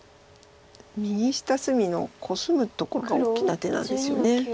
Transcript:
右下隅のコスむとこが大きな手なんですよね。